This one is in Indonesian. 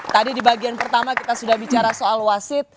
tadi di bagian pertama kita sudah bicara soal wasit